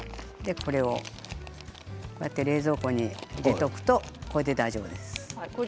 これを冷蔵庫に入れておくと大丈夫です。